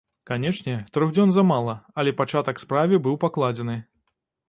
Канечне, трох дзён замала, але пачатак справе быў пакладзены.